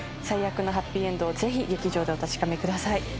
最悪なハッピーエンドをぜひ劇場でお確かめください。